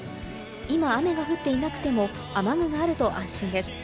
今雨が降っていなくても雨具があると安心です。